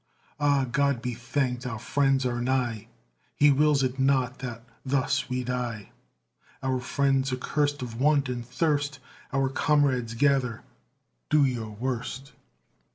"Ah, God be thanked! our friends are nigh; He wills it not that thus we die; O fiends accurst Of Want and Thirst, Our comrades gather, do your worst!"